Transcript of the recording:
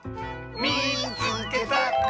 「みいつけた！」。